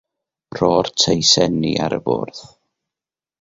Rho'r teisenni ar y bwrdd.